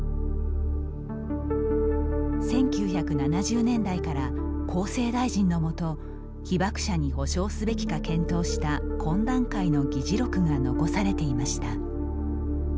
１９７０年代から厚生大臣のもと被爆者に補償すべきか検討した懇談会の議事録が残されていました。